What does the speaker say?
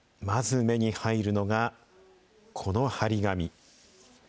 まず目に入るのが、この貼り紙。